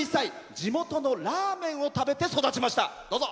地元のラーメンを食べて育ちました。